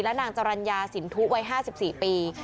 นางจรัญญาสินทุวัย๕๔ปี